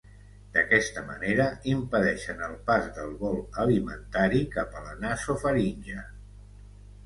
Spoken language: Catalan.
D'aquesta manera, impedeixen el pas del bol alimentari cap a la nasofaringe.